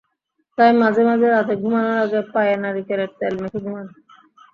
তাই মাঝে মাঝে রাতে ঘুমানোর আগে পায়ে নারিকেলের তেল মেখে ঘুমান।